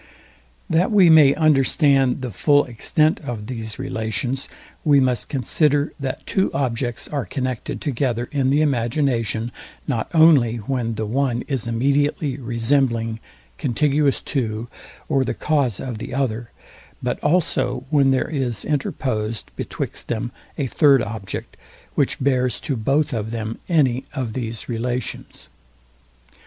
That we may understand the full extent of these relations, we must consider, that two objects are connected together in the imagination, not only when the one is immediately resembling, contiguous to, or the cause of the other, but also when there is interposed betwixt them a third object, which bears to both of them any of these relations.